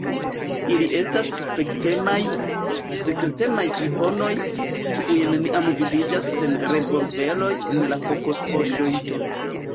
Ili estas suspektemaj, sekretemaj friponoj, kiuj neniam vidiĝas sen revolveroj en la koksopoŝoj.